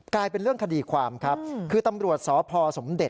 กลายเป็นเรื่องคดีความครับคือตำรวจสพสมเด็จ